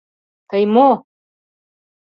— Тый мо?!